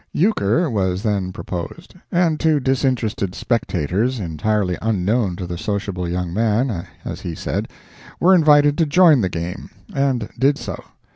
Euchre was then proposed, and two disinterested spectators, entirely unknown to the sociable young man—as he said—were invited to join the game, and did so.